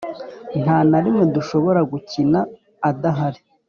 nta na rimwe dushobora gukina adahari